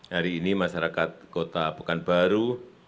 hari ini masyarakat kota pekanbaru